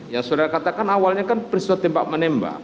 yang sudara katakan awalnya kan peristiwa tembak menembak